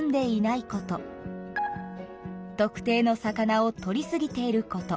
特定の魚をとりすぎていること。